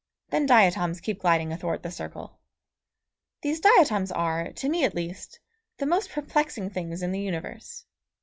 Then diatoms keep gliding athwart the circle. These diatoms are, to me at least, the most perplexing things in the universe.